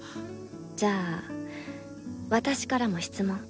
じゃあ私からも質問。